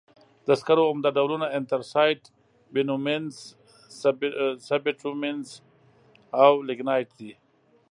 د سکرو عمده ډولونه انترسایت، بټومینس، سب بټومینس او لېګنایټ دي.